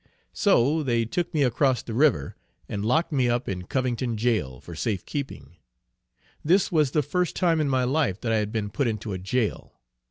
So they took me across the river, and locked me up in Covington jail, for safe keeping. This was the first time in my life that I had been put into a jail.